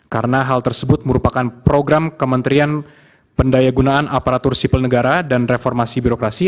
karena hal tersebut merupakan program kementerian pendayagunaan aparatur sipil negara dan reformasi birokrasi